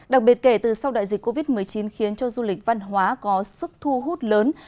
đặc biệt kể từ sau đại dịch covid một mươi chín khiến cho du lịch văn hóa có sức thu hút lớn